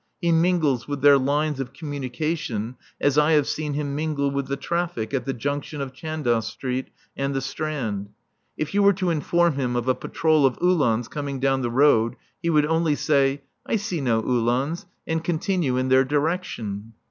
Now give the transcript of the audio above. He mingles with their lines of communication as I have seen him mingle with the traffic at the junction of Chandos Street and the Strand. If you were to inform him of a patrol of Uhlans coming down the road, he would only say, "I see no Uhlans," and continue in their direction.